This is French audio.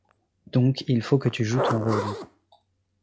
Donc il faut que tu joues ton rôle.